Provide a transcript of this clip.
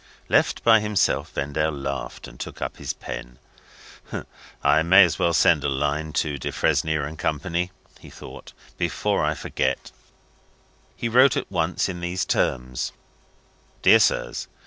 Left by himself, Vendale laughed, and took up his pen. "I may as well send a line to Defresnier and Company," he thought, "before I forget it." He wrote at once in these terms: "Dear Sirs.